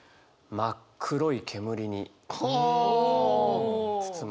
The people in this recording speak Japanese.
真っ黒い煙に包まれて。